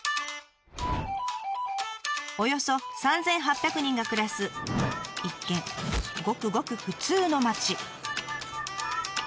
およそ３，８００人が暮らす一見ごくごく普通の町。